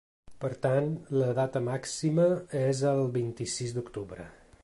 Per tant, la data màxima és el vint-i-sis d’octubre.